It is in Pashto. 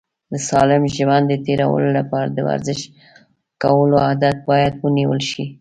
د سالم ژوند د تېرولو لپاره د ورزش کولو عادت باید ونیول شي.